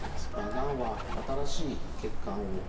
がんは新しい血管をつくります。